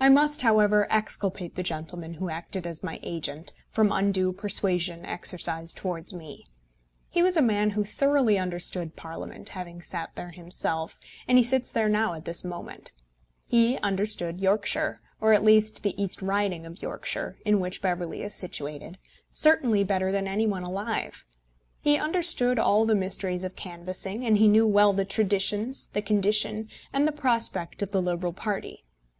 I must, however, exculpate the gentleman who acted as my agent, from undue persuasion exercised towards me. He was a man who thoroughly understood Parliament, having sat there himself, and he sits there now at this moment. He understood Yorkshire, or at least the East Riding of Yorkshire, in which Beverley is situated, certainly better than any one alive. He understood all the mysteries of canvassing, and he knew well the traditions, the condition, and the prospect of the Liberal party.